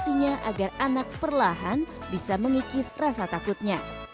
kondisinya agar anak perlahan bisa mengikis rasa takutnya